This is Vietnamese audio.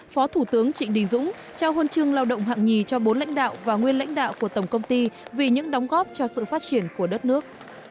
phó thủ tướng trịnh đình dũng trao huân chương lao động hạng nhì cho bốn lãnh đạo và nguyên lãnh đạo của tổng công ty vì những đóng góp cho sự phát triển của đất nước